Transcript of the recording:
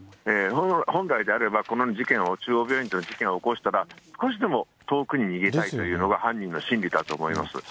本来であれば、この事件、中央病院での事件を起こしたら、少しでも遠くに逃げたいというのが犯人の心理だと思います。